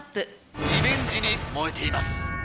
リベンジに燃えています。